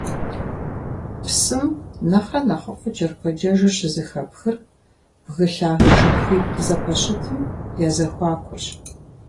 Псым нэхърэ нэхъыфIу джэрпэджэжыр щызэхэпхыр бгы лъагэ шытхитIу зэпэщытым я зэхуакурщ.